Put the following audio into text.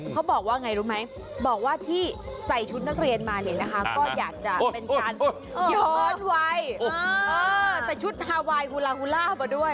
เขาบอกว่าไงรู้ไหมบอกว่าที่ใส่ชุดนักเรียนมาเนี่ยนะคะก็อยากจะเป็นการย้อนวัยใส่ชุดฮาไวน์ฮูลาฮูล่ามาด้วย